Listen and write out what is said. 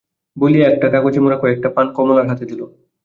বলিয়া একটা কাগজে মোড়া কয়েকটা পান কমলার হাতে দিল।